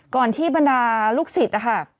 ก่อนที่บรรดาลูกศิษย์